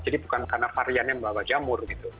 jadi bukan karena variannya membawa jamur gitu